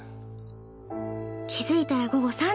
気づいたら午後３時。